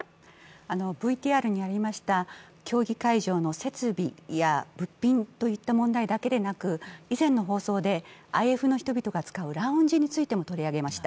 ＶＴＲにありました競技会場の設備や物品といった問題だけでなく以前の放送でＩＦの人々が使うラウンジについても取り上げました。